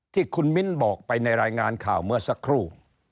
ที่คุณมิ้นบอกไปในรายงานข่าวเมื่อสักครู่